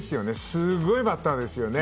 すごいバッターです。